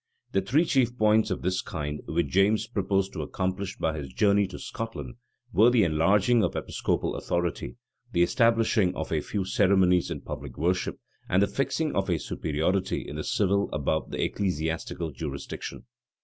The three chief points of this kind, which James proposed to accomplish by his journey to Scotland, were the enlarging of episcopal authority, the establishing of a few ceremonies in public worship, and the fixing of a superiority in the civil above the ecclesiastical jurisdiction.